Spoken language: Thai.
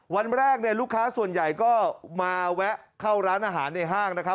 วันแรกเนี่ยลูกค้าส่วนใหญ่ก็มาแวะเข้าร้านอาหารในห้างนะครับ